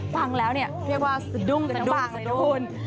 ฟังแล้วเรียกว่าสดุ้งสดุ้งสดุ้ง